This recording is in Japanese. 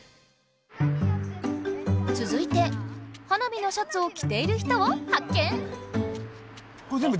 つづいて花火のシャツをきている人を発見！